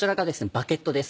バゲットです